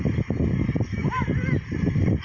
โอ้โหเป็นเกิดขึ้นกันก่อนค่ะ